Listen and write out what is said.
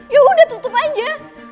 yaudah tutup aja